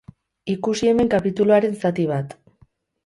Ikusi hemen kapituluaren zati bat.